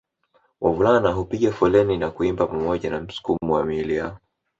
Wavulana hupiga foleni na kuimba pamoja na msukumo wa miili yao